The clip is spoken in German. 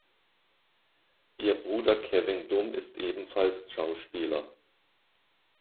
Ihr Bruder Kevin Dunn ist ebenfalls Schauspieler.